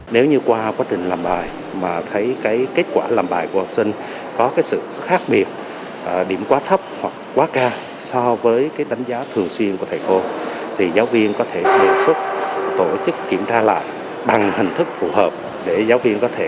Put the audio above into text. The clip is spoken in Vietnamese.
nếu như qua quá trình làm bài mà thấy kết quả làm bài của học sinh có sự khác biệt điểm quá thấp hoặc quá ca so với đánh giá thường xuyên của thầy cô